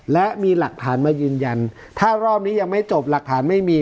และมีหลักฐานมายืนยันถ้ารอบนี้ยังไม่จบหลักฐานไม่มี